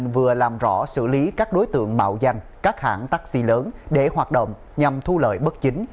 vừa làm rõ xử lý các đối tượng mạo danh các hãng taxi lớn để hoạt động nhằm thu lợi bất chính